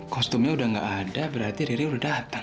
kostumnya udah gak ada berarti riri udah datang